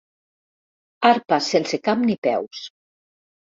Arpa sense cap ni peus.